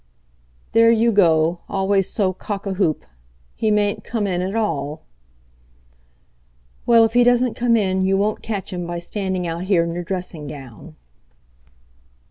"There you go—always so cock a hoop. He mayn't come in at all." "Well, if he doesn't come in you won't catch him by standing out here in your dressing gown."